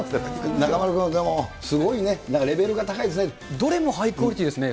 中丸君、でも、すごいね、どれもハイクオリティーですね。